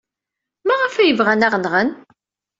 Maɣef ay bɣan ad aɣ-nɣen?